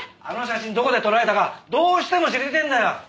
あの写真どこで撮られたかどうしても知りてえんだよ。